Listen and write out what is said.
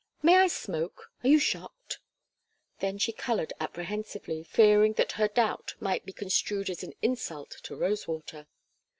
"May I smoke? Are you shocked?" Then she colored apprehensively, fearing that her doubt might be construed as an insult to Rosewater.